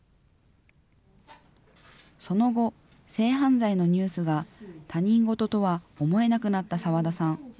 その後、性犯罪のニュースが他人事とは思えなくなった澤田さん。